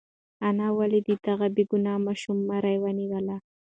انا ولې د دغه بېګناه ماشوم مرۍ ونیوله؟